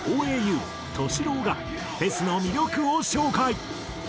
−ＬＯＷがフェスの魅力を紹介。